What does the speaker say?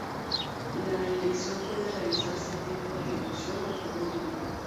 La elección puede realizarse en tiempo de ejecución o por módulo.